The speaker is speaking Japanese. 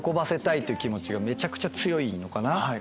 っていう気持ちがめちゃくちゃ強いのかな。